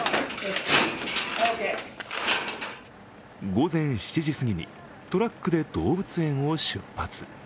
午前７時すぎにトラックで動物園を出発。